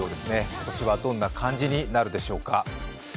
今年はどんな漢字になるでしょうか。